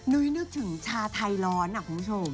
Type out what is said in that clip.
นุ้ยนึกถึงชาไทยร้อนคุณผู้ชม